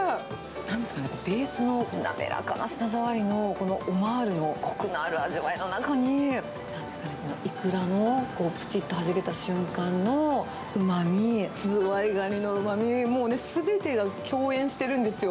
なんですかね、ベースのなめらかな舌触りの、このオマールのこくのある味わいの中に、なんですかね、このイクラのぷちっとはじけた瞬間のうまみ、ズワイガニのうまみ、もうすべてが共演してるんですよ。